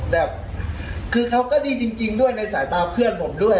แบบคือเขาก็ดีจริงด้วยในสายตาเพื่อนผมด้วย